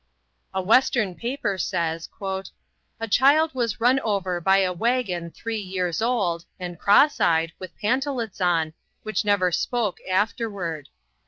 A Western paper says: "A child was run over by a wagon three years old, and cross eyed, with pantalets on, which never spoke afterward."